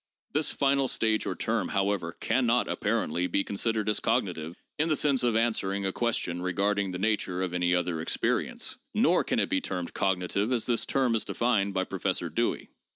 This final stage or term, however, can not, apparently, be con sidered as cognitive in the sense of answering a question regarding the nature of any other experience, nor can it be termed cognitive as this term is defined by Professor Dewey.